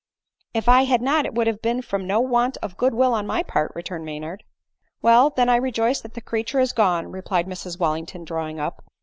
If I bad not, it would have been from no want of good will on my part," returned Maynard. " Well, then I rejoice that the creature is gone," re plied Mrs Wellington, drawing up.